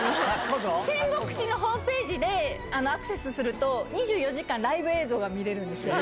仙北市のホームページにアクセスすると、２４時間ライブ映像が見れるんですよ。